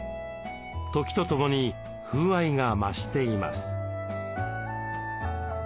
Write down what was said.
時とともに風合いが増しています。